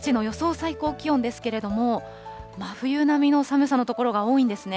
最高気温ですけれども、真冬並みの寒さの所が多いんですね。